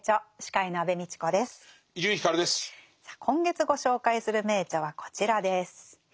今月ご紹介する名著はこちらです。